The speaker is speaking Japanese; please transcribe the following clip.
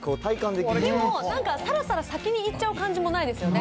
でもなんか、さらさら先にいっちゃう感じもないですよね。